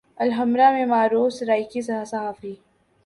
الحمرا میں معروف سرائیکی صحافی